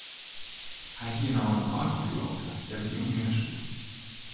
Hy hie no in eigen ferloofde dêr't er jûn hinne soe.